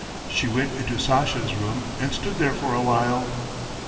She went into Sasha's room and stood there for a while.